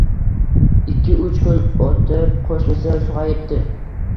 Ikki-uch kun o‘tib qo‘shnisi sog‘ayibdi